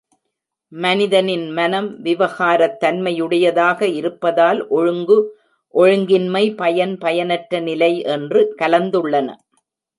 மனிதனின் மனம் விவகாரத் தன்மையுடையதாக இருப்பதால் ஒழுங்கு, ஒழுங்கின்மை, பயன், பயனற்ற நிலை என்று கலந்துள்ளன.